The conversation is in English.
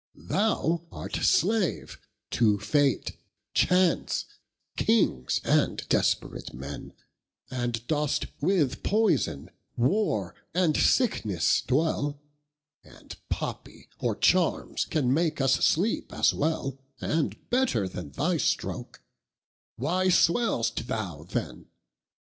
Thou art slave to Fate, Chance, kings, and desperate men, And dost with poyson, warre, and sicknesse dwell, And poppie, or charmes can make us sleepe as well, And better than thy stroake; why swell'st thou then?